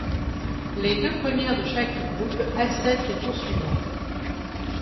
Les deux premières de chaque groupe accèdent au tour suivant.